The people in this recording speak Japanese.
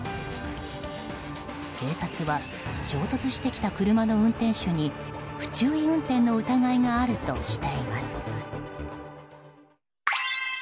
警察は衝突してきた車の運転手に不注意運転の疑いがあるとしています。